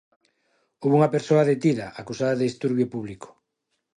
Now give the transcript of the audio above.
Houbo unha persoa detida, acusada de disturbio público.